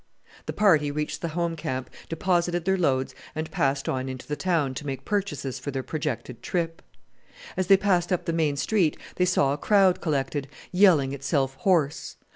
The party reached the home camp, deposited their loads, and passed on into the town to make purchases for their projected trip. As they passed up the main street they saw a crowd collected, yelling itself hoarse.